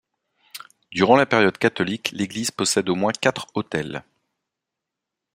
Durant la période catholique l'église possède au moins quatre autels.